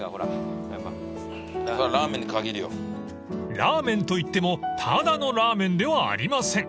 ［ラーメンといってもただのラーメンではありません］